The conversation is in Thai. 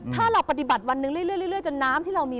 ถ้าเราปฏิบัติวันหนึ่งเรื่อยจนน้ำที่เรามี